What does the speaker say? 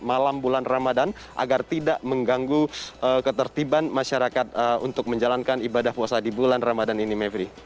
malam bulan ramadan agar tidak mengganggu ketertiban masyarakat untuk menjalankan ibadah puasa di bulan ramadan ini mevri